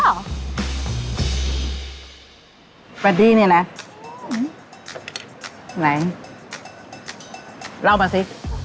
สวัสดีเนี่ยนะไหนเล่ามาสิ